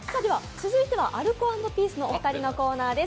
続いてはアルコ＆ピースのお二人のコーナーです。